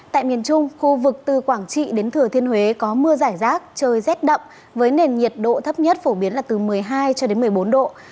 tại miền trung khu vực từ quảng trị đến thừa thiên huế có mưa giải rác trời rét đậm với nền nhiệt độ thấp nhất phổ biến là từ một mươi hai cho đến một mươi bốn độ